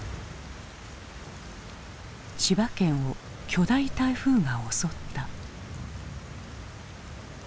千葉県を巨大台風が襲った。